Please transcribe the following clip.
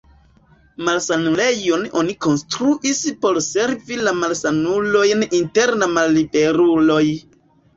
Malsanulejon oni konstruis por servi la malsanulojn inter la malliberuloj.